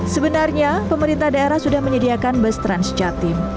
sebenarnya pemerintah daerah sudah menyediakan bus transjatim